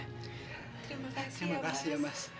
terima kasih ya mas